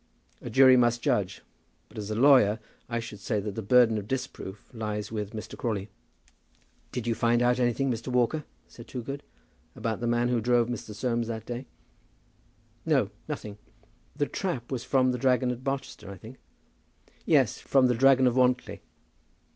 A jury must judge; but, as a lawyer, I should say that the burden of disproof lies with Mr. Crawley." "Did you find out anything, Mr. Walker," said Toogood, "about the man who drove Mr. Soames that day?" "No, nothing." "The trap was from 'The Dragon' at Barchester, I think?" "Yes, from 'The Dragon of Wantly.'"